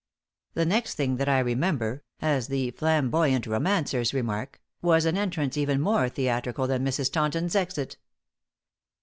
The next thing that I remember, as the flamboyant romancers remark, was an entrance even more theatrical than Mrs. Taunton's exit.